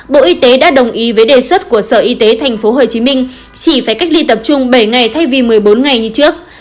bộ y tế đã đồng ý với đề xuất của sở y tế tp hcm chỉ phải cách ly tập trung bảy ngày thay vì một mươi bốn ngày như trước